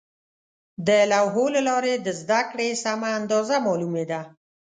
د لوحو له لارې د زده کړې سمه اندازه معلومېده.